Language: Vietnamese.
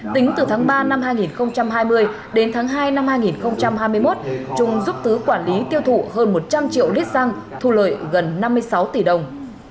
tính từ tháng ba năm hai nghìn hai mươi đến tháng hai năm hai nghìn hai mươi một trung giúp tứ quản lý tiêu thụ hơn một trăm linh triệu lít xăng thu lợi gần năm mươi sáu tỷ đồng